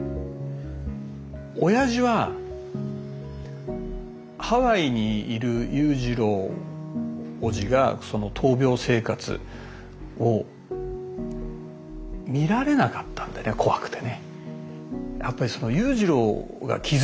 おやじはハワイにいる裕次郎叔父がその闘病生活を見られなかったんでね怖くてね。